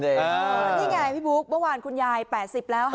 นี่ไงพี่บุ๊คเมื่อวานคุณยาย๘๐แล้วค่ะ